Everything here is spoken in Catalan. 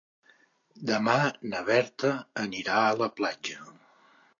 Demà na Berta anirà a la platja.